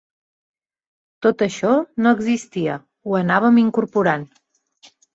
Tot això no existia, ho anàvem incorporant.